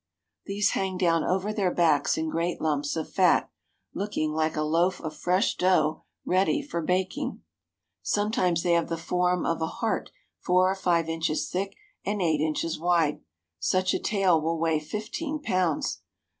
These hang down over their backs in great lumps of fat, looking like a loaf of fresh dough ready for baking. Sometimes they have the form of a heart four or five inches thick and eight inches wide. Such a tail will weigh fifteen pounds.